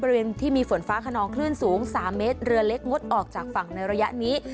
บริเวณที่มีฝนฟ้าขนองคลื่นสูง๓เมตรเรือเล็กงดออกจากฝั่งในระยะนี้